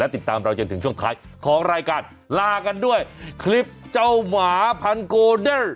ติดตามเราจนถึงช่วงท้ายของรายการลากันด้วยคลิปเจ้าหมาพันโกเดอร์